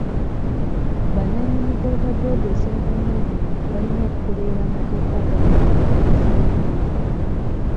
Bannannyini booda booda ez'obwannanyini balina okugoberera amateeka agafuga enkozesa y'enguuddo.